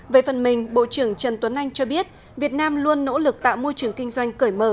về phần mình bộ trưởng trần tuấn anh cho biết việt nam luôn nỗ lực tạo môi trường kinh doanh cởi mở